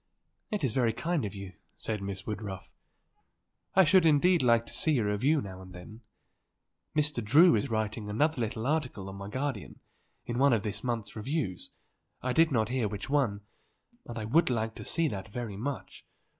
"It is very kind of you," said Miss Woodruff. "I should indeed like to see a review now and then. Mr. Drew is writing another little article on my guardian, in one of this month's reviews, I did not hear which one; and I would like to see that very much.